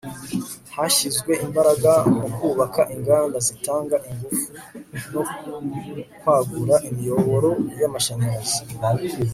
hashyizwe imbaraga mu kubaka inganda zitanga ingufu no kwagura imiyoboro y' amashanyarazi